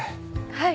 はい。